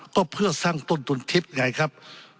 ก็เพื่อสร้างต้นทุนทิพย์ไงครับ